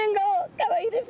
かわいいです。